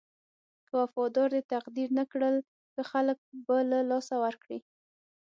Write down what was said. که وفادار دې تقدير نه کړل ښه خلک به له لاسه ورکړې.